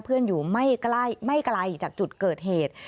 เพื่อนอยู่ไม่ไกลจากจุดเกิดเหตุ